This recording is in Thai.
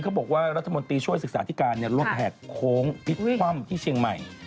เขาบอกว่ารัฐมนตรีช่วยศึกษาธิการโรงแพทย์โค้งพิทธิ์คว่ำที่เชียงใหม่